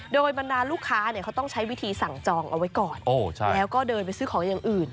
โดยบรรดาลูกค้าเขาต้องใช้วิธีสั่งจองเอาไว้ก่อนแล้วก็เดินไปซื้อของอย่างอื่น